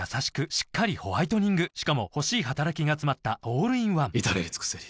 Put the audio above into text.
しっかりホワイトニングしかも欲しい働きがつまったオールインワン至れり尽せり